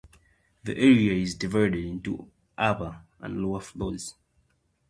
The area is divided into upper and lower floors.